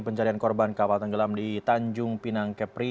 pencarian korban kapal tenggelam di tanjung pinang kepri